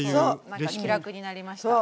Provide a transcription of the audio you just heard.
なんか気楽になりました。